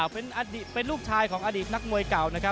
เป็นลูกชายของอดีตนักมวยเก่านะครับ